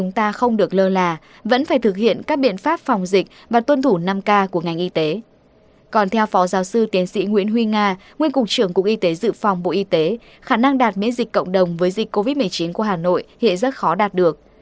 nguyên cục trưởng cục y tế dự phòng bộ y tế khả năng đạt miễn dịch cộng đồng với dịch covid một mươi chín của hà nội hiện rất khó đạt được